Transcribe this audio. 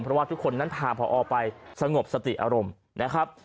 เพราะว่าทุกคนนั้นพาไปสงบสติอารมณ์นะครับ